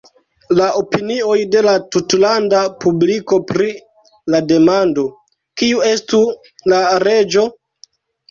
La opinioj de la tutlanda publiko pri la demando "kiu estu la reĝo?